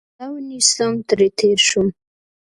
چې خوله ونیسم، ترې تېر شوم.